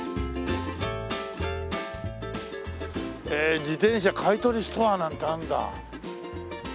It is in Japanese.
へえ「自転車買取ストア」なんてあるんだ。